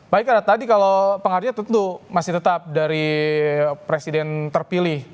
pak ikrar tadi kalau pengharga tentu masih tetap dari presiden terpilih